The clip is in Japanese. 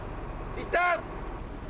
行った！